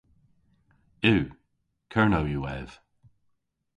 Yw. Kernow yw ev.